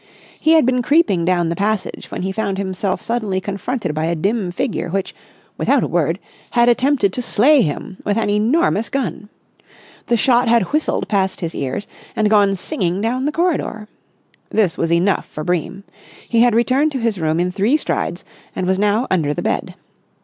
He had been creeping down the passage when he found himself suddenly confronted by a dim figure which, without a word, had attempted to slay him with an enormous gun. The shot had whistled past his ears and gone singing down the corridor. This was enough for Bream. He had returned to his room in three strides, and was now under the bed.